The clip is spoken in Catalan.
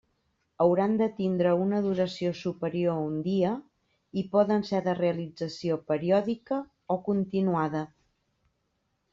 Hauran de tindre una duració superior a un dia i poden ser de realització periòdica o continuada.